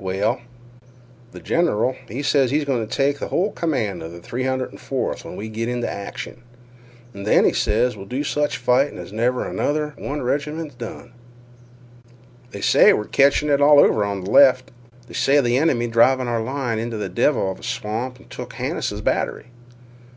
"Well—" "Th' general, he ses he is goin' t' take th' hull command of th' 304th when we go inteh action, an' then he ses we'll do sech fightin' as never another one reg'ment done." "They say we're catchin' it over on th' left. They say th' enemy driv' our line inteh a devil of a swamp an' took Hannises' batt'ry."